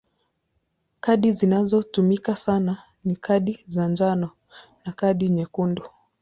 Kadi zinazotumika sana ni kadi ya njano na kadi nyekundu.